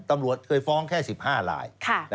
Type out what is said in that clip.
ตำรวจเคยฟ้องแค่๑๕ลาย